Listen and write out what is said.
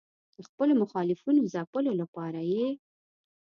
د خپلو مخالفینو ځپلو لپاره یې.